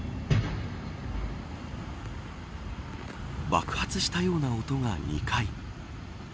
爆発したような音が２回。